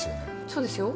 そうですよ。